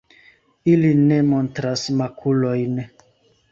Ili ne montras makulojn.